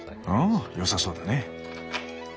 ああ良さそうだね。